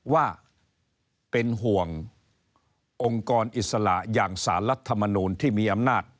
ว่าเป็นห่วงองค์กรอิสระอย่างสารรัฐมนูลที่มีอำนาจ